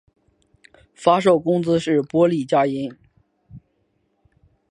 发售公司是波丽佳音。